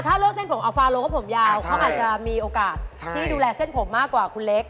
ถ้าเลือกเส้นผมอัฟาโลก็ผมยาวเขาอาจจะมีโอกาสที่ดูแลเส้นผมมากกว่าคุณเล็ก